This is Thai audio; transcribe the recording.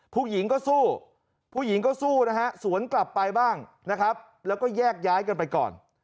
ผู้หญิงก็สู้ผู้หญิงก็สู้นะฮะสวนกลับไปบ้างนะครับแล้วก็แยกย้ายกันไปก่อน